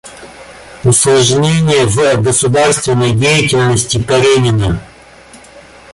Усложнение в государственной деятельности Каренина.